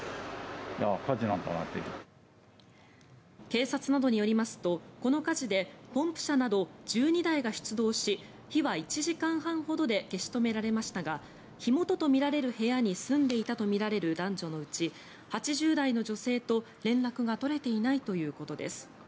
警察などによりますとこの火事でポンプ車など１２台が出動し火は１時間半ほどで消し止められましたが火元とみられる部屋に住んでいたとみられる男女のうち８０代の女性と連絡が取れていないということです。